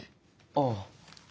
ああ。